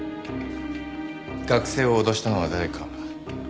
学生を脅したのは誰か。